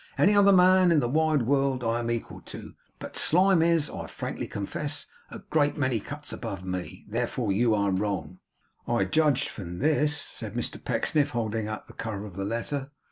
Any other man in the wide world, I am equal to; but Slyme is, I frankly confess, a great many cuts above me. Therefore you are wrong.' 'I judged from this,' said Mr Pecksniff, holding out the cover of the letter.